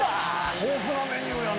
豊富なメニューやな。